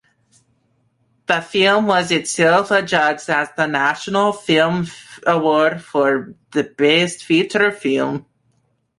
The film was itself adjudged as the National Film Award for Best Feature Film.